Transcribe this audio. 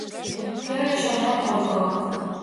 Кӧргӧ чонем - ойгылык